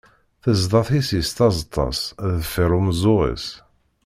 Tezḍa tisist azeṭṭa-s deffir umeẓẓuɣ-is.